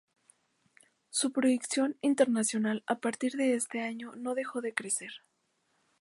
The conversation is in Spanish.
Su proyección internacional a partir de este año no dejó de crecer.